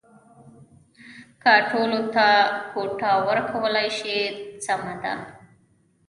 که ټولو ته کوټه ورکولای شي سمه ده.